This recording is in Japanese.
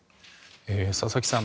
佐々木さん